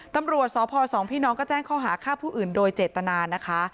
ตำรวจสพสองพี่น้องก็แจ้งข้อหาฆ่าผู้อื่นโดยเจตนานะคะ